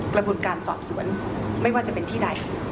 กระบวนการสอบสวนไม่ว่าจะเป็นที่ใด